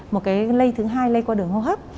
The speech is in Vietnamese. một cái lây thứ hai lây qua đường hô hấp